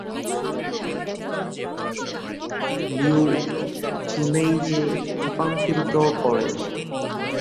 একই বছর, তিনি তার মায়ের পারিবারিক নাম গ্রহণ করেন এবং তার আইনগত নাম "লিউ জিমেইজি"-এ রূপান্তরিত করেন।